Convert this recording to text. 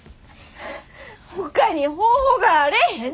ほかに方法があれへんねん！